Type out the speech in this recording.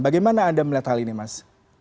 bagaimana anda melihat hal ini mas